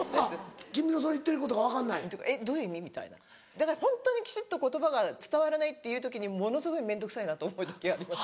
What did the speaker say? だからホントにきちっと言葉が伝わらないっていう時にものすごい面倒くさいなと思う時があります。